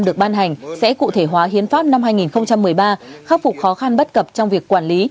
được ban hành sẽ cụ thể hóa hiến pháp năm hai nghìn một mươi ba khắc phục khó khăn bất cập trong việc quản lý